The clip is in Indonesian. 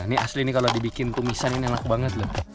ini asli nih kalau dibikin tumisan ini enak banget loh